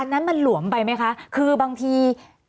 นั้นมันหลวมไปไหมคะคือบางที